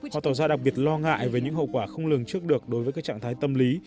họ tỏ ra đặc biệt lo ngại về những hậu quả không lường trước được đối với các trạng thái tâm lý